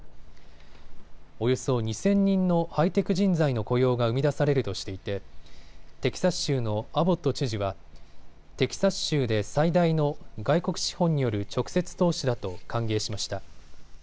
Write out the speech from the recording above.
およそ２０００人のハイテク人材の雇用が生み出されるとしていてテキサス州のアボット知事はテキサス州で最大の外国資本による直接投資だと歓迎しました。